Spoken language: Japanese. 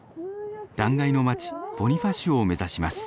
断崖の町ボニファシオを目指します。